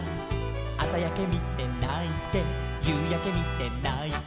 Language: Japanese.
「あさやけみてないてゆうやけみてないて」